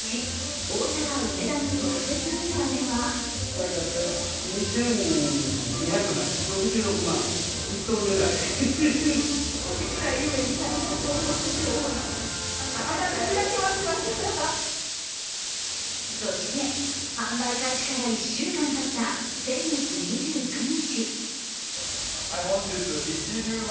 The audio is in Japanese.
大阪・梅田の特設売り場ではそして、販売開始から１週間たった先月２９日。